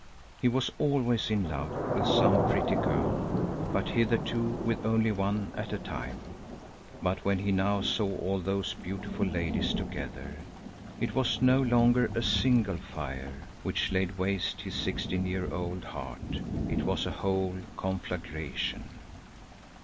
He was always in love with some pretty girl, but hitherto with only one at a time. But when he now saw all those beautiful ladies together, it was no longer a single fire, which laid waste his sixteen year old heart; it was a whole conflagration.